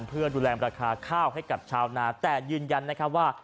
เพื่อดูแลราคาข้าวให้กับชาวนาแต่ยืนยันนะครับว่า